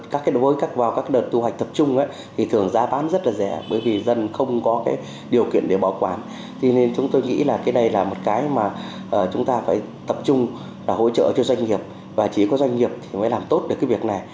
cơ sở cho doanh nghiệp và chỉ có doanh nghiệp thì mới làm tốt được cái việc này